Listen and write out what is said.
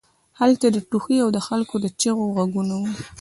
هلته د ټوخي او د خلکو د چیغو غږونه وو